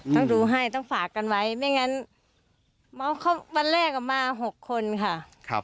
ต้องดูให้ต้องฝากกันไว้ไม่งั้นวันแรกมา๖คนค่ะ